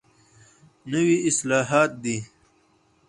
نوي اصطلاحات دي.